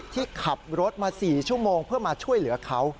ที่ขับรถมา๔ชั่วโมงเพื่อมาช่วยเหลือเขา